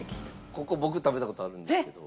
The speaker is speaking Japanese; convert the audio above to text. ここ僕食べた事あるんですけど。